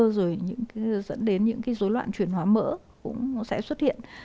rồi dẫn đến những cái dối loạn chuyển hóa mỡ cũng sẽ xuất hiện